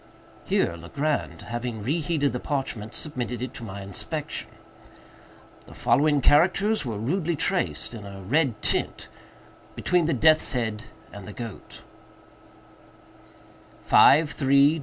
Here Legrand, having re heated the parchment, submitted it to my inspection. The following characters were rudely traced, in a red tint, between the death's head and the goat: "53‡‡†305))6*;4826)4‡.)